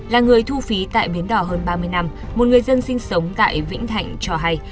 là người thu phí tại bến đỏ hơn ba mươi năm một người dân sinh sống tại vĩnh thạnh cho hay